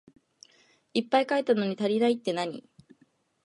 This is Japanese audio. いっぱい書いたのに足らないってなに？